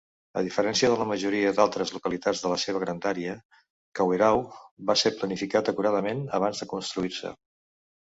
A diferència de la majoria d'altres localitats de la seva grandària, Kawerau va ser planificat acuradament abans de construir-se.